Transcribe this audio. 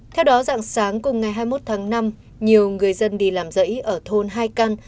theo đó dạng sáng cùng ngày hai mươi một tháng năm nhiều người dân đi làm rẫy ở thôn hai căn